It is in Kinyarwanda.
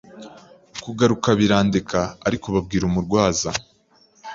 kugaruka barandeka ariko babwira umurwaza